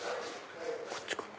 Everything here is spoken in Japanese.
こっちかな？